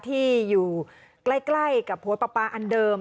ที่อยู่ใกล้กับหัวปลาปลาอันเดิม